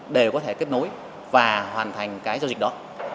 đều có thể kết nối và hoàn thành cái giao dịch đó